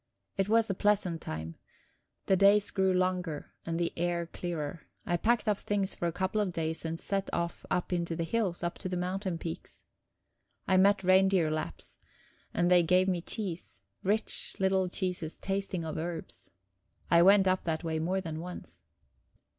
It was a pleasant time; the days grew longer and the air clearer; I packed up things for a couple of days and set off up into the hills, up to the mountain peaks. I met reindeer Lapps, and they gave me cheese rich little cheeses tasting of herbs. I went up that way more than once.